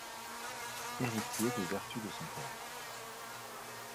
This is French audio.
Héritier des vertus de son père.